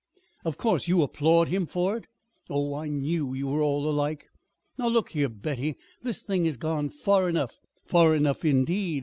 _ Of course you applaud him for it. Oh, I knew you were all alike!" "Now look here, Betty, this thing has gone far enough " "Far enough, indeed!"